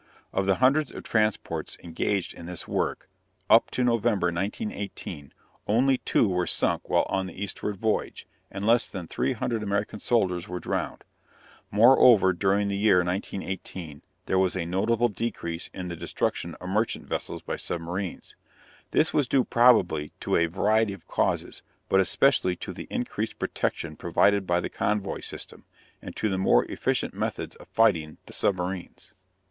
Of the hundreds of transports engaged in this work, up to November, 1918, only two were sunk while on the eastward voyage, and less than 300 American soldiers were drowned. Moreover, during the year 1918 there was a notable decrease in the destruction of merchant vessels by submarines. This was due probably to a variety of causes, but especially to the increased protection provided by the convoy system, and to the more efficient methods of fighting the submarines.